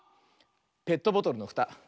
「ペットボトルのふた」。